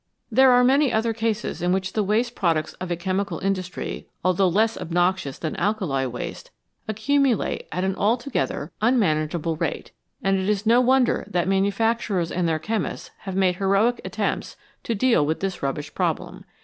There are many other cases in which the waste pro ducts of a chemical industry, although less obnoxious than alkali waste, accumulate at an altogether un 269 THE VALUE OF THE BY PRODUCT manageable rate, and it is no wonder that manufac turers and their chemists have made heroic attempts to deal with this rubbish problem.